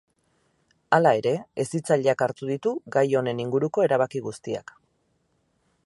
Hala ere, hezitzaileak hartu ditu gai honen inguruko erabaki guztiak.